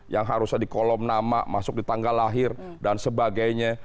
yang harusnya di kolom nama masuk di tanggal lahir dan sebagainya